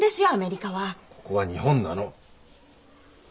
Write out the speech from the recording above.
ここは日本なの。